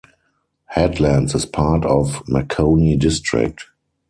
Headlands is part of Makoni District.